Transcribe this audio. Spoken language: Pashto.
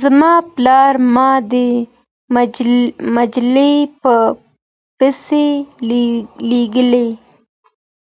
زما پلار ما د مجلې په پسې لېږله.